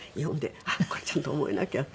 あっこれちゃんと覚えなきゃって。